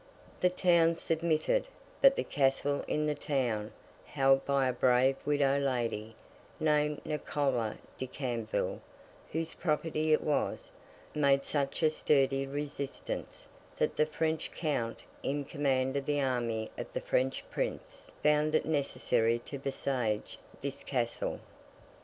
The town submitted; but the Castle in the town, held by a brave widow lady, named Nichola de Camville (whose property it was), made such a sturdy resistance, that the French Count in command of the army of the French Prince found it necessary to besiege this Castle.